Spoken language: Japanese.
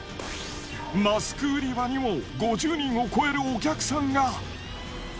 マスク売り場にも５０人を超えるお客さんが。